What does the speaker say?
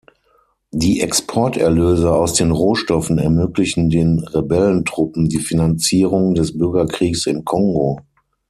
Die Exporterlöse aus den Rohstoffen ermöglichen den Rebellentruppen die Finanzierung des Bürgerkriegs im Kongo.